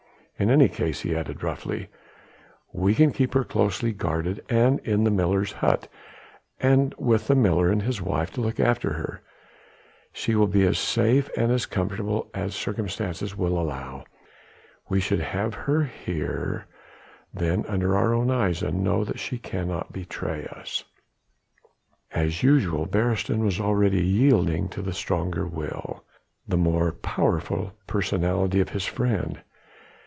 In any case," he added roughly, "we can keep her closely guarded, and in the miller's hut, with the miller and his wife to look after her, she will be as safe and as comfortable as circumstances will allow. We should have her then under our own eyes and know that she cannot betray us." As usual Beresteyn was already yielding to the stronger will, the more powerful personality of his friend.